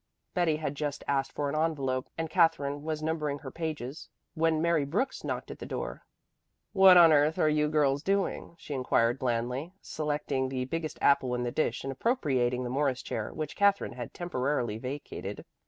Betty had just asked for an envelope and Katherine was numbering her pages when Mary Brooks knocked at the door. "What on earth are you girls doing?" she inquired blandly, selecting the biggest apple in the dish and appropriating the Morris chair, which Katherine had temporarily vacated.